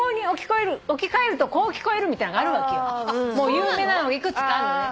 有名なのがいくつかあるのね。